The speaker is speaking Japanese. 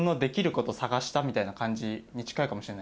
みたいな感じに近いかもしれないですね。